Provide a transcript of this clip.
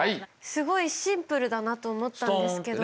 すごいシンプルだなと思ったんですけど。